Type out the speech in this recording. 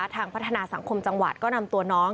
ทางพัฒนาสังคมจังหวัดก็นำตัวน้อง